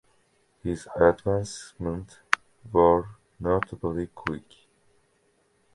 His advancements were notably quick.